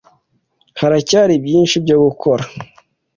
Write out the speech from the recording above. Haracyari byinshi byo gukora.